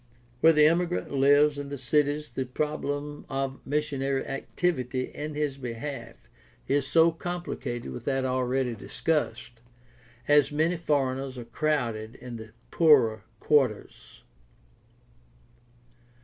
Where the immigrant lives in the cities the problem of missionary activity in his behalf is often complicated with that already discussed, as many foreigners are crowded in the poorer quarters.